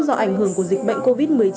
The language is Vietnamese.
do ảnh hưởng của dịch bệnh covid một mươi chín